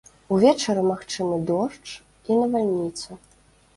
Увечары магчымы дождж і навальніца.